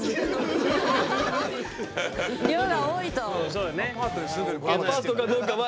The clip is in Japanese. そうだよね。